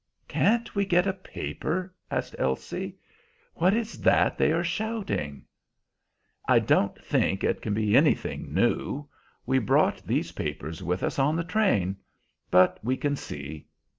"Can't we get a paper?" asked Elsie. "What is that they are shouting?" "I don't think it can be anything new. We brought these papers with us on the train. But we can see.